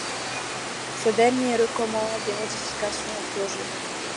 Ce dernier recommande des modifications au projet.